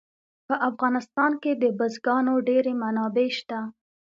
په افغانستان کې د بزګانو ډېرې منابع شته.